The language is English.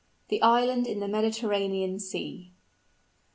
THE ISLAND IN THE MEDITERRANEAN SEA.